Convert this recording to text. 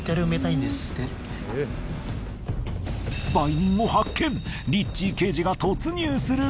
売人を発見！